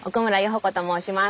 ほ子と申します。